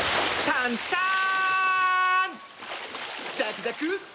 タンターン！